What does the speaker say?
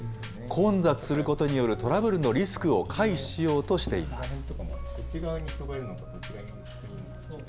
混雑することによるトラブルのリスクを回避しようとしています。